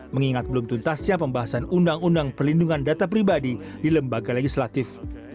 mengingat belum tuntasnya pembahasan undang undang perlindungan data pribadi di lembaga legislatif